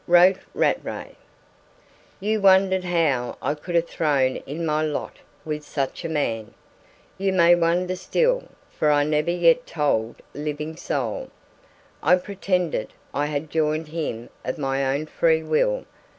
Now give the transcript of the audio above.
Wrote Rattray: "You wondered how I could have thrown in my lot with such a man. You may wonder still, for I never yet told living soul. I pretended I had joined him of my own free will.